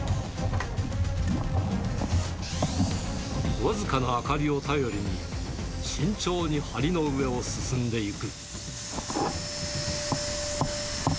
僅かな明かりを頼りに、慎重にはりの上を進んでいく。